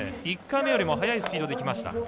１回目よりも速いスピードできました。